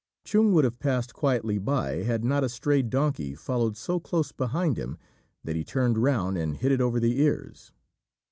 Chung would have passed quietly by, had not a stray donkey followed so close behind him that he turned round and hit it over the ears.